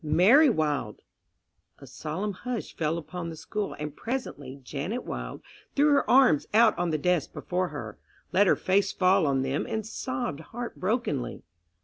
"Mary Wild."... A solemn hush fell upon the school, and presently Janet Wild threw her arms out on the desk before her, let her face fall on them, and sobbed heart brokenly.